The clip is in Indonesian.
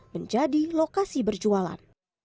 menjadi lokasi berjualan